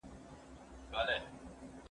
جهالت په ټولو بشري ټولنو کي موجود وو او انسان